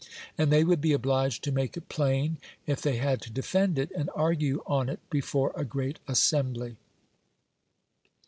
And they would be obliged to make it plain if they had to defend it and argue on it before a great assembly.